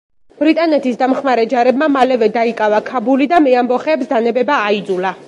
ბრიტანეთის დამხმარე ჯარებმა მალევე დაიკავა ქაბული და მეამბოხეებს დანებება აიძულა.